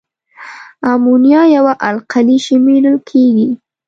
امونیا یوه القلي شمیرل کیږي.